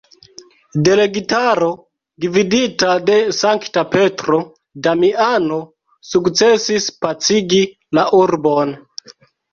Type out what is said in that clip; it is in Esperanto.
Delegitaro, gvidita de sankta Petro Damiano sukcesis pacigi la urbon.